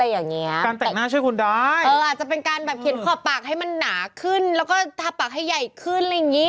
เอออาจจะเป็นการแบบเขียนขวาปากให้มันหนาขึ้นแล้วก็ทาปากให้ใหญ่ขึ้นอะไรอย่างนี้